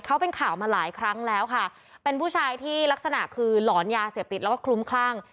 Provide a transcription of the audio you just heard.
เขาเป็นข่าวมาหลายครั้งแล้วค่ะเป็นผู้ชายที่ลักษณะคือหลอนยาเสพติดแล้วก็คลุ้มคลั่ง